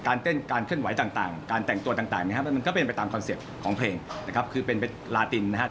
เต้นการเคลื่อนไหวต่างการแต่งตัวต่างนะครับมันก็เป็นไปตามคอนเซ็ปต์ของเพลงนะครับคือเป็นลาตินนะครับ